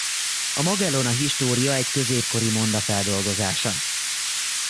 A Magelona-história egy középkori monda feldolgozása.